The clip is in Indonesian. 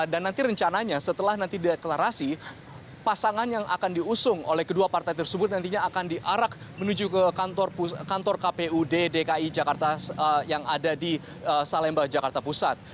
dan nanti rencananya setelah nanti deklarasi pasangan yang akan diusung oleh kedua partai tersebut nantinya akan diarak menuju ke kantor kpud dki jakarta yang ada di salembah jakarta pusat